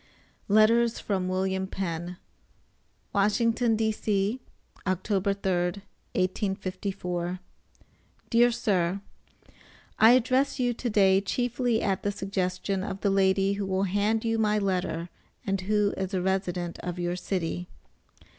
LETTERS FROM WILLIAM PENN. WASHINGTON, D.C., Oct. 3, 1854 DEAR SIR: I address you to day chiefly at the suggestion of the Lady who will hand you my letter, and who is a resident of your city.